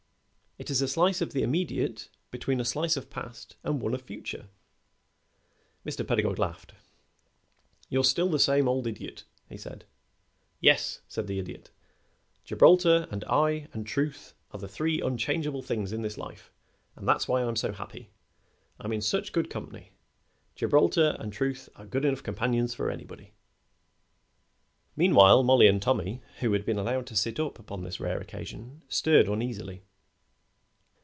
"It is a slice of the immediate between a slice of past and one of future." Mr. Pedagog laughed. "You are still the same old Idiot," he said. "Yes," said the Idiot. "Gibraltar and I and Truth are the three unchangeable things in this life, and that's why I am so happy. I'm in such good company. Gibraltar and Truth are good enough companions for anybody." Meanwhile Mollie and Tommy, who had been allowed to sit up upon this rare occasion, stirred uneasily.